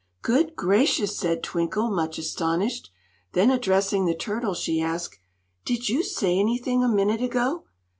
"Good gracious!" said Twinkle, much astonished. Then, addressing the turtle, she asked: "Did you say anything, a minute ago?"